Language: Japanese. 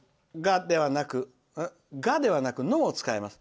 「が」ではなく「の」を使います。